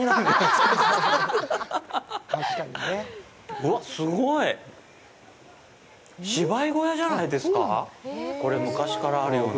うわっ、すごい！芝居小屋じゃないですか、これ、昔からあるような。